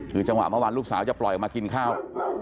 คือจังหวะเมื่อวานลูกสาวจะปล่อยออกมากินข้าว